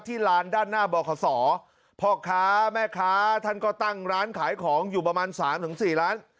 ที่ลานด้านหน้าบรกษอพ่อค้าแม่ค้าท่านก็ตั้งร้านขายของอยู่ประมาณ๓๔ร้าน